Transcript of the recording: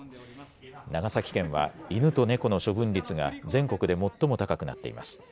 長崎県は、犬と猫の殺処分率が全国で最も高くなっています。